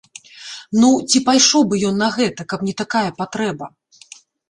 Ну, ці пайшоў бы ён на гэта, каб не такая патрэба?